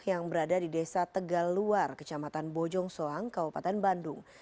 yang berada di desa tegal luar kecamatan bojong soang kabupaten bandung